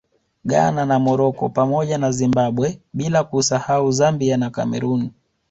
Ghana na Morocco pamoja na Zimbabwe bila kuisahau Zambia na Cameroon